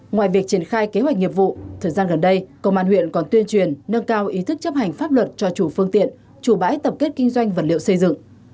ngoài việc triển khai kế hoạch nghiệp vụ thời gian gần đây công an huyện còn tuyên truyền nâng cao ý thức chấp hành pháp luật cho chủ phương tiện chủ bãi tập kết kinh doanh vật liệu xây dựng